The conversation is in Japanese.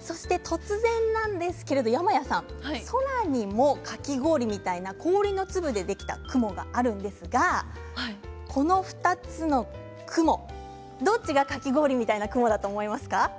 そして、突然なんですけれども山谷さん空にもかき氷みたいな氷の粒でできた雲があるんですがこの２つの写真の雲どちらが、かき氷みたいな雲だと思いますか？